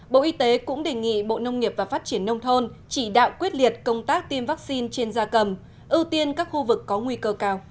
bộ y tế cũng đề nghị bộ nông nghiệp và phát triển nông thôn chỉ đạo quyết liệt công tác tiêm vaccine trên da cầm ưu tiên các khu vực có nguy cơ cao